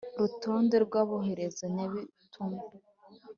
Rutonde rw aboherezanyabutumwa